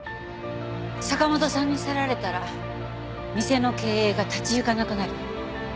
坂元さんに去られたら店の経営が立ち行かなくなる。